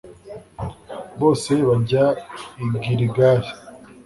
bose bajya i giligali